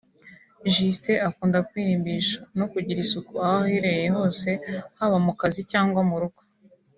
Justin akunda kwirimbisha no kugira isuku aho aherereye hose haba mu kazi cyangwa mu rugo